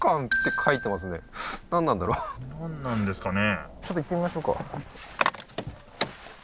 なんなんですかね？